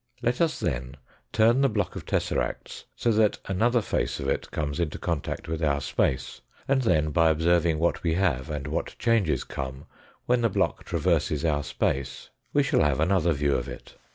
Let us then turn the block of tesseracts so that another face of it comes into contact with our space, and then by observing what we have, and what changes come when the block traverses our space, we shall have another view of it.